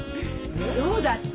そうだった？